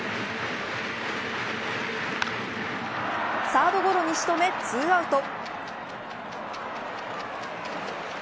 サードゴロに仕留め、２アウト。